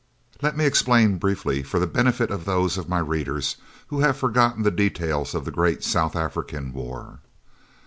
Let me explain briefly for the benefit of those of my readers who have forgotten the details of the great South African war.